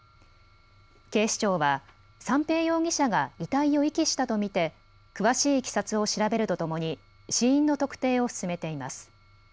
警視庁は三瓶容疑者が遺体を遺棄したと見て詳しいいきさつを調べるとともに死因の特定を進めています。